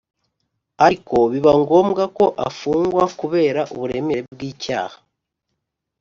Ariko biba ngombwa ko afungwa kubera uburemere bw’icyaha